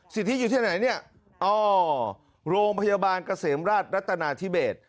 สิทธิอยู่ที่ไหนโรงพยาบาลเกษมรัฐรัฐนาธิเบส